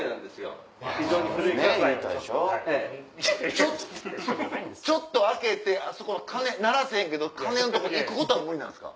ちょっとちょっと開けてあそこの鐘鳴らせへんけど鐘のとこ行くことは無理なんですか？